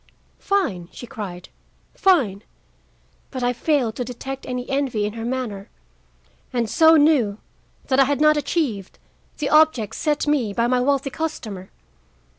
'Fine,' she cried, 'fine!' But I failed to detect any envy in her manner, and so knew that I had not achieved the object set me by my wealthy customer.